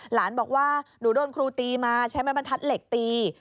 หลานบอกว่าหนูโดนครูตีมาใช้ไม้บรรทัดเหล็กตี